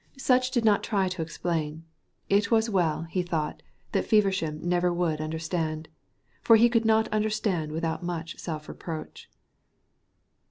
Sutch did not try to explain. It was as well, he thought, that Feversham never would understand. For he could not understand without much self reproach.